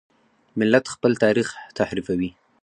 ملت خپل تاریخ تحریفوي.